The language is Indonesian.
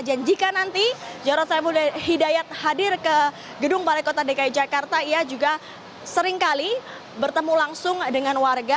dan jika nanti jarod saibul hidayat hadir ke gedung balai kota dki jakarta ia juga seringkali bertemu langsung dengan warga